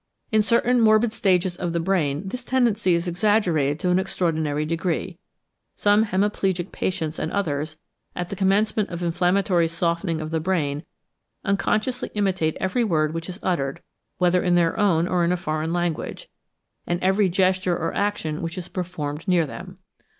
In certain morbid states of the brain this tendency is exaggerated to an extraordinary degree: some hemiplegic patients and others, at the commencement of inflammatory softening of the brain, unconsciously imitate every word which is uttered, whether in their own or in a foreign language, and every gesture or action which is performed near them.